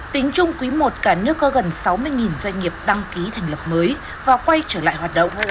tính chung quý i cả nước có gần sáu mươi doanh nghiệp đăng ký thành lập mới và quay trở lại hoạt động